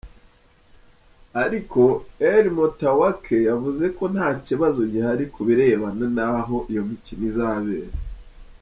Ariko El Moutawakel yavuze ko nta kibazo gihari ku birebana naho iyo mikino izabera.